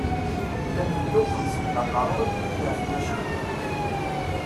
Llan miyya u xemsin d aqeṛṛu i yulin ar tmacint.